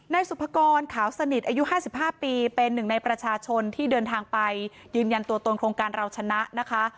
สุภกรขาวสนิทอายุ๕๕ปีเป็นหนึ่งในประชาชนที่เดินทางไปยืนยันตัวตนโครงการเราชนะนะคะ